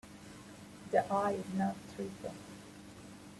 The eye is not treated.